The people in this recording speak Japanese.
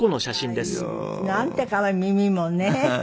可愛い。なんて可愛い耳もね。